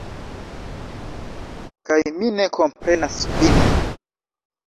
Kaj mi ne komprenas vin.